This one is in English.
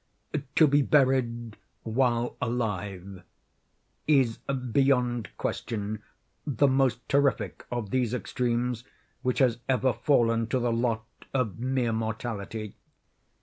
To be buried while alive is, beyond question, the most terrific of these extremes which has ever fallen to the lot of mere mortality.